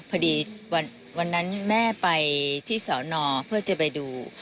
พอดีวันนั้นแม่ไปที่สอนอเพื่อจะไปดู